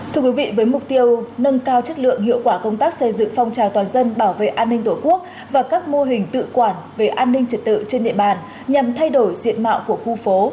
thưa quý vị với mục tiêu nâng cao chất lượng hiệu quả công tác xây dựng phong trào toàn dân bảo vệ an ninh tổ quốc và các mô hình tự quản về an ninh trật tự trên địa bàn nhằm thay đổi diện mạo của khu phố